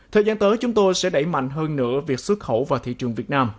thời gian tới chúng tôi sẽ đẩy mạnh hơn nữa việc xuất khẩu vào thị trường việt nam